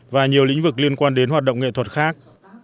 và nhiều lĩnh vực liên quan đến hoạt động nghệ thuật khác